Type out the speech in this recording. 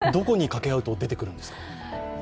どこに掛け合うと出てくるんですか？